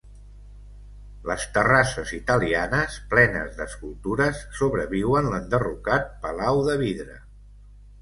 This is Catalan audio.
Les terrasses italianes, plenes d'escultures, sobreviuen l'enderrocat Palau de Vidre.